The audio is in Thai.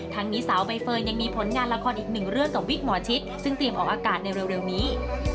ทั้งนี้สาวใบเฟิร์นยังมีผลงานละครอีกหนึ่งเรื่องกับวิกหมอชิตซึ่งเตรียมออกอากาศในเร็วนี้